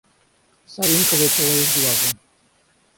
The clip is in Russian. Соринка выпала из глазу.